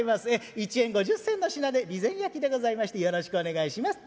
１円５０銭の品で備前焼でございましてよろしくお願いします。